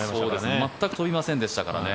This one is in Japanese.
全く飛びませんでしたからね。